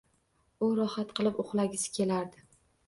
U rohat qilib uxlagisi kelardi.